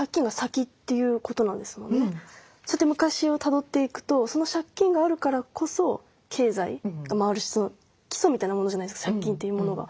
そうやって昔をたどっていくとその借金があるからこそ経済が回るしその基礎みたいなものじゃないですか借金というものが。